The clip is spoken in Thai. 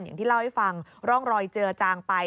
อย่างที่เล่าให้ฟังร่องรอยเจือจางไป